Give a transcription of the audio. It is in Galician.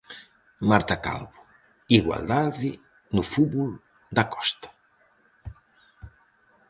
Marta Calvo: igualdade no fútbol da Costa.